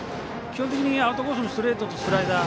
基本的にアウトコースのストレートとスライダー